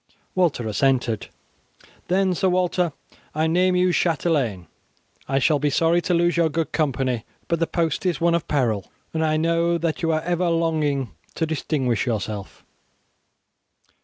Walter assented. "Then, Sir Walter, I name you chatelain. I shall be sorry to lose your good company; but the post is one of peril, and I know that you are ever longing to distinguish yourself.